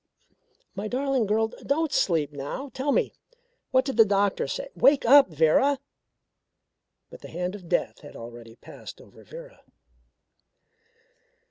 My darling girl, don't sleep now. Tell me, what did the doctor say? Wake up Vera." But the hand of death had already passed over Vera.